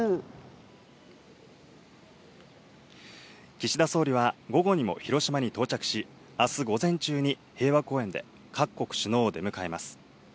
岸田総理は午後にも広島に到着し、あす午前中に平和公園で各国首脳を出迎えます。